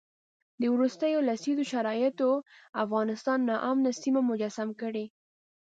د وروستیو لسیزو شرایطو افغانستان ناامنه سیمه مجسم کړی.